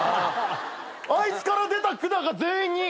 あいつから出た管が全員に。